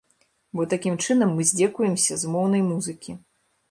Бо такім чынам мы здзекуемся з моўнай музыкі.